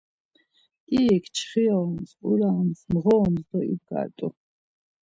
İrik çxiroms, urams, mğorams do ibgart̆u.